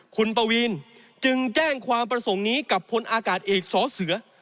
คุณปวีนจึงแจ้งความประสงค์นี้กับพลอากาศเอกสอเสือ